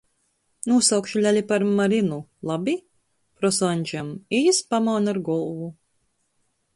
"Nūsaukšu leli par Marynu, labi?" prosu Aņžam, i jis pamaun ar golvu.